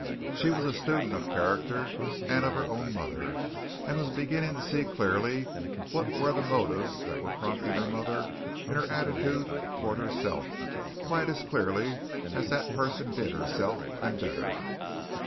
She was a student of character, and of her own mother, and was beginning to see clearly what were the motives that were prompting her mother in her attitude toward herself, quite as clearly as that person did herself and better.